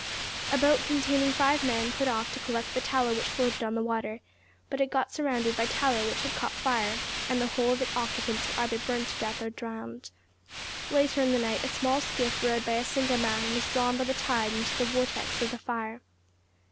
A boat containing five men put off to collect the tallow which floated on the water, but it got surrounded by tallow which had caught fire, and the whole of its occupants were either burned to death or drowned. Later in the night a small skiff rowed by a single man was drawn by the tide into the vortex of the fire.